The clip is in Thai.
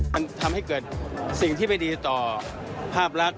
มันทำให้เกิดสิ่งที่ไม่ดีต่อภาพลักษณ์